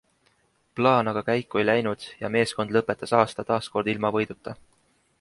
Plaan aga käiku ei läinud ja meeskond lõpetas aasta taaskord ilma võiduta.